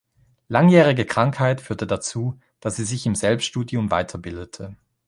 Langjährige Krankheit führte dazu, dass sie sich im Selbststudium weiterbildete.